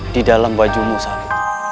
di dalam bajumu sabu